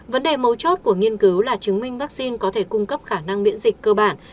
vấn đề mấu chốt của nghiên cứu là chứng minh vaccine có thể cung cấp khả năng miễn dịch cơ bản